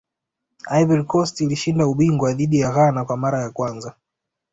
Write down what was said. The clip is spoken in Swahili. ivory coast ilishinda ubingwa dhidi ya ghana kwa mara ya kwanza